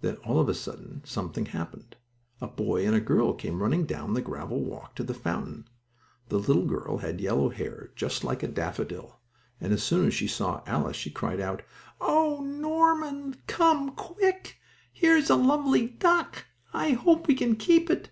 Then, all of a sudden, something happened. A boy and a girl came running down the gravel walk to the fountain. The little girl had yellow hair, just like a daffodil, and as soon as she saw Alice she cried out: "Oh, Norman! Come quick! Here is a lovely duck! I hope we can keep it!"